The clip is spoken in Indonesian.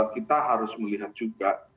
kita harus melihat juga